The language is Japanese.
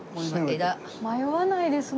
迷わないですね。